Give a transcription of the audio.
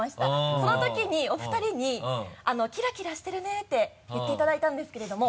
その時にお二人にキラキラしてるねって言っていただいたんですけれども。